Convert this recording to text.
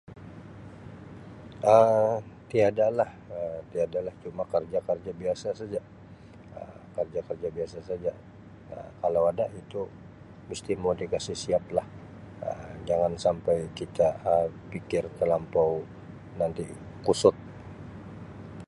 Um Tiadalah. Um Tiadalah cuma kerja-kerja biasa saja. Um Kerja-kerja biasa saja. Um Kalau ada itu misti mau di kasi siap lah Um jangan sampai kita Um pikir telampau nanti kusut.